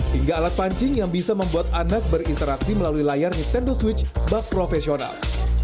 hingga alat pancing yang bisa membuat anak berinteraksi melalui layar nintendo switch bag profesional